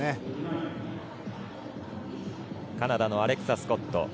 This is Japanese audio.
カナダのアレクサ・スコット。